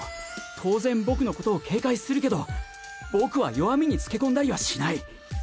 当然僕のことを警戒するけど僕は弱みにつけ込んだりはしない。